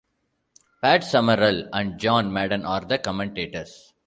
Pat Summerall and John Madden are the commentators.